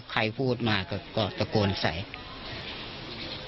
ใครพูดมาก่อนเลยก็ปะโกนใสตาย